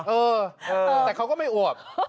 เออแต่เขาก็ไม่อวบ